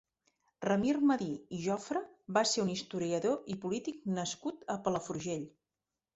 Ramir Medir i Jofra va ser un historiador i polític nascut a Palafrugell.